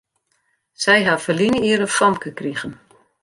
Sy ha ferline jier in famke krigen.